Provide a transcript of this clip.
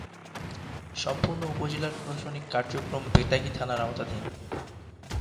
সম্পূর্ণ উপজেলার প্রশাসনিক কার্যক্রম বেতাগী থানার আওতাধীন।